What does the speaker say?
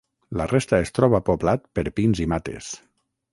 La resta es troba poblat per pins i mates.